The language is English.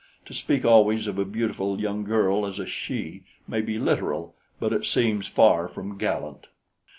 To speak always of a beautiful young girl as a "she" may be literal; but it seems far from gallant.